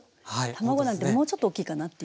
卵なんてもうちょっと大きいかなっていう。